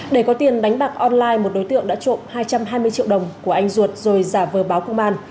để có tiền đánh bạc online một đối tượng đã trộm hai trăm hai mươi triệu đồng của anh ruột rồi giả vờ báo công an